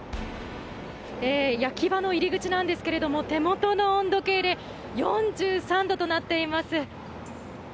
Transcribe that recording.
焼き場の入り口なんですが手元の温度計で４３度となっています。